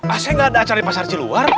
asalnya gak ada acara di pasar ciluar